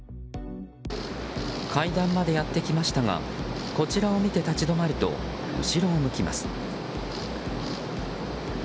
階段までやってきましたがこちらを見て立ち止まると後ろを向きます。